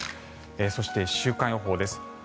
そして、週間予報です。